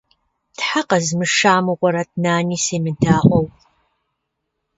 Тхьэ къэзмыша мыгъуэрэт, Нани семыдаӏуэу.